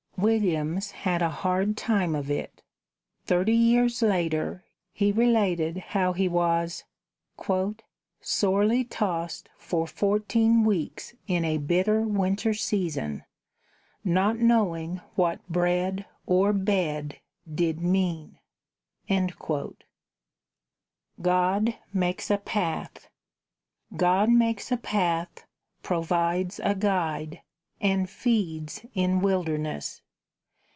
Williams had a hard time of it. Thirty years later, he related how he was "sorely tossed for fourteen weeks in a bitter winter season, not knowing what bread or bed did mean." GOD MAKES A PATH God makes a path, provides a guide, And feeds in wilderness!